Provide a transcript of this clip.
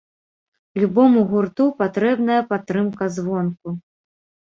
Любому гурту патрэбная падтрымка звонку.